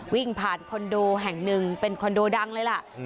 วิ่งผ่านคอนโดแห่งหนึ่งเป็นคอนโดดังเลยล่ะ